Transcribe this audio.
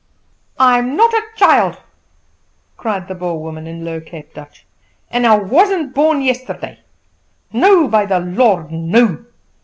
"I'm not a child," cried the Boer woman, in low Cape Dutch, "and I wasn't born yesterday. No, by the Lord, no!